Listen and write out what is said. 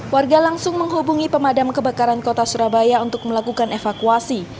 warga langsung menghubungi pemadam kebakaran kota surabaya untuk melakukan evakuasi